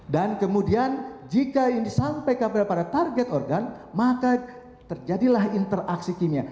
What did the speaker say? dan kemudian jika ini sampai kepada target organ maka terjadilah interaksi kimia